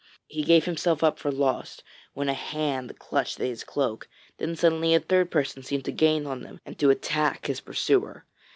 He gave himself up for lost, when a hand clutched at his cloak; then suddenly a third person seemed to gain on them, and to attack his pursuer.